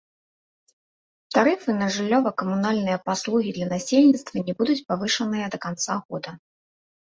Тарыфы на жыллёва-камунальныя паслугі для насельніцтва не будуць павышаныя да канца года.